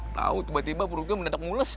tau tiba tiba burungnya mendetek ngules